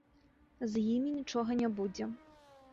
З імі нічога не будзе.